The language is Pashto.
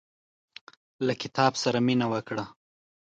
له کتاب سره مينه وکړه.